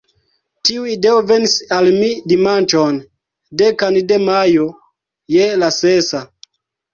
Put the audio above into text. Tiu ideo venis al mi dimanĉon, dekan de majo, je la sesa.